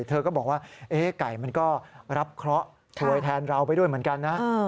เธอก็บอกว่าไก่มันก็รับเคราะห์ถวยแทนเราไปด้วยเหมือนกันนะ